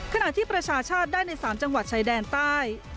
ขณะที่ประชาชาติได้ใน๓จังหวัดชายแดนใต้